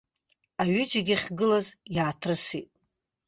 Аҩыџьагьы ахьгылаз иааҭрысит.